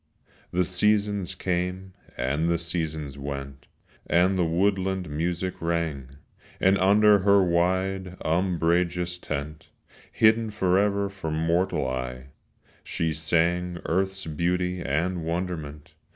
The seasons came and the seasons went And the woodland music rang; And under her wide umbrageous tent, Hidden forever from mortal eye, She sang earth's beauty and wonderment.